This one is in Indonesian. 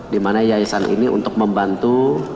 dimana yayasan ini untuk membantu